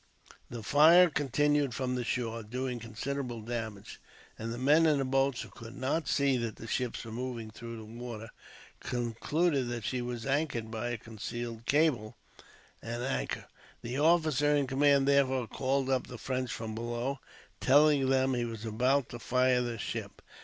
The fire continued from the shore, doing considerable damage; and the men in the boats, who could not see that the ship was moving through the water, concluded that she was anchored by a concealed cable and anchor. The officer in command, therefore, called up the Frenchmen from below, telling them he was about to fire the ship.